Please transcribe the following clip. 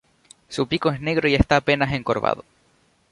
Su pico es negro y esta apenas encorvado.